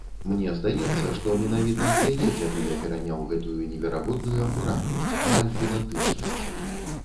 Мне здаецца, што менавіта ад яе дзядуля пераняў гэтую неверагодную акуратнасць, амаль педантычнасць.